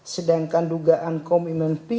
sedangkan dugaan komitmen p